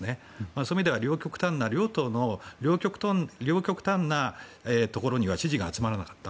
そういう意味では両極端なところでは支持が集まらなかった。